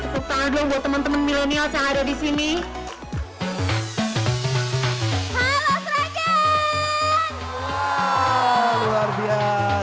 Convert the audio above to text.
pertama youtuber nomor satu ke asia tenggara